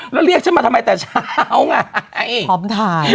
แล้วเรียกฉันมาทำไมแต่เช้าไง